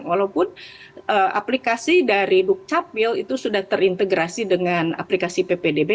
walaupun aplikasi dari dukcapil itu sudah terintegrasi dengan aplikasi ppdb